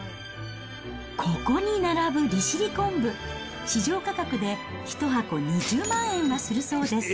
ここに並ぶ利尻昆布、市場価格で１箱２０万円はするそうです。